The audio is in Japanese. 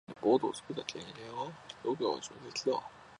乾麺でボートを作った経験は？そうか。上出来だ。